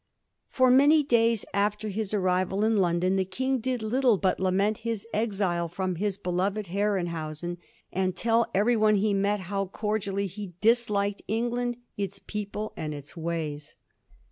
For many days after his arrival in London the King did little but lament his exile from his beloved Herrenhausen, and tell everyone he met how <;ordiaIly he disliked England, its people, and its ways.